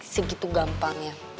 segitu gampang ya